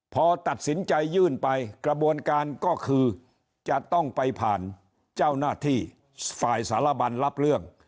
พอตัดสินใจยื่นไปกระบวนการก็คือจะต้องไปผ่านเจ้าหน้าที่ฝ่ายสารบันรับเรื่อง